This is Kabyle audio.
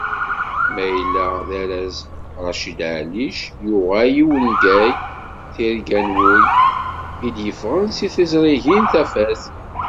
Mayella d arraz Raccid Ɛallic yuɣal i wungal "Tirga n wul" i d-yeffɣen seg teẓrigin Tafat.